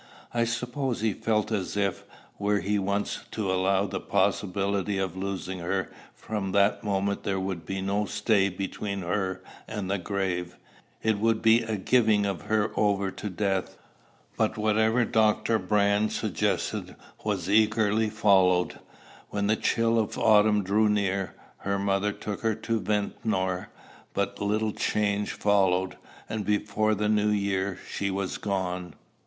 I suppose he felt as if, were he once to allow the possibility of losing her, from that moment there would be no stay between her and the grave: it would be a giving of her over to death. But whatever Dr. Brand suggested was eagerly followed. When the chills of autumn drew near, her mother took her to Ventnor; but little change followed, and before the new year she was gone.